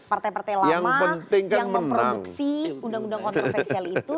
partai partai lama yang memproduksi undang undang kontroversial itu